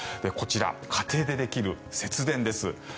こちら、家庭でできる節電です。